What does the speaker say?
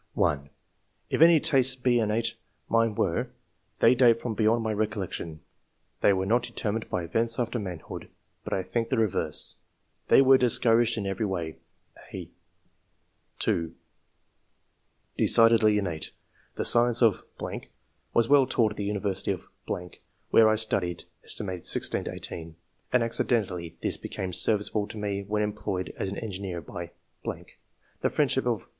(1) "If any tastes be innate, mine were ; they date from beyond my recollection. They were not determined by events after manhood, but, I think the reverse; they were discouraged in every way." (a) Ill] ORIGIN OF TASTE FOE SCIENCE. 185 (2) *' Decidedly innate. The science of .... was well taught at the university of ...., where I studied, aet. 16 18, and accidentally this be came serviceable to me when employed as an engineer by .... The friendship of